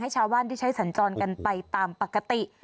ชาวบ้านที่ใช้สัญจรกันไปตามปกติ